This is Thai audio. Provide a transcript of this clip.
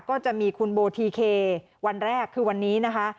ก็จะมีคุณโบทีเควันแรกคือวันนี้นะคะ